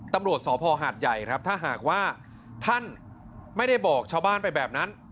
ตำรวจสพหาดใหญ่ครับถ้าหากว่าท่านไม่ได้บอกชาวบ้านไปแบบนั้น